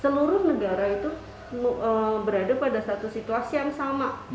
seluruh negara itu berada pada satu situasi yang sama